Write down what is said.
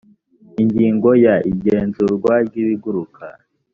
ingingo ya igenzurwa ry ibiguruka